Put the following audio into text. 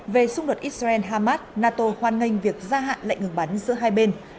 về xung đột israel hamas nato hoan nghênh việc gia hạn lệnh ngừng bắn giữa hai bên